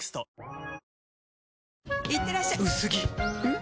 ん？